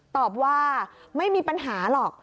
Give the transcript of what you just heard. ตอบว่าไม่มีปัญหาหรอก